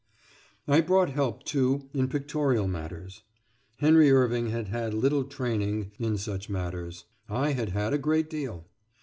I brought help, too, in pictorial matters. Henry Irving had had little training in such matters; I had had a great deal.